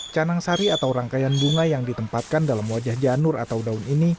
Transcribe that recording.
canang sari atau rangkaian bunga yang ditempatkan dalam wajah janur atau daun ini